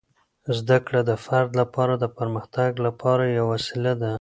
زده کړه د فرد لپاره د پرمختګ لپاره یوه وسیله ده.